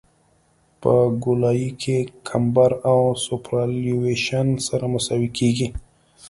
په ګولایي کې کمبر او سوپرایلیویشن سره مساوي کیږي